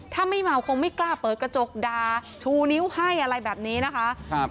ถ้าไม่เมาคงไม่กล้าเปิดกระจกดาชูนิ้วให้อะไรแบบนี้นะคะ